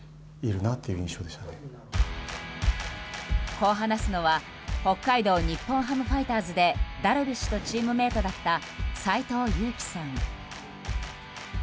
こう話すのは北海道日本ハムファイターズでダルビッシュとチームメートだった斎藤佑樹さん。